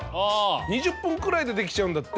２０分くらいでできちゃうんだって。